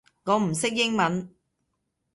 我唔識英文